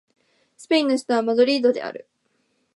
スペインの首都はマドリードである